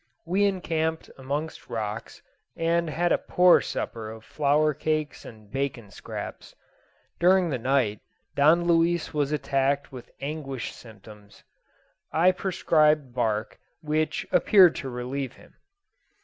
We encamped amongst rocks, and had a poor supper of flour cakes and bacon scraps. During the night Don Luis was attacked with aguish symptoms. I prescribed bark, which appeared to relieve him.